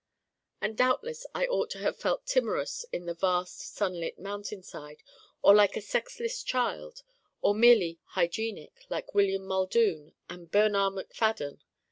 And doubtless I ought to have felt timorous in the vast sunlit mountainside, or like a sexless child (or merely 'hygienic' like William Muldoon and Bernarr McFadden).